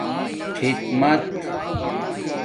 خدمݵت